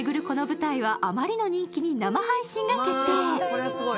この舞台は、あまりの人気に生配信が決定。